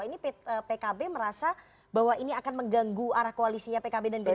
ini pkb merasa bahwa ini akan mengganggu arah koalisinya pkb dan p tiga